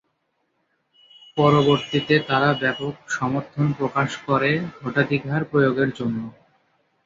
পরবর্তীতে তারা ব্যাপক সমর্থন প্রকাশ করে ভোটাধিকার প্রয়োগের জন্য।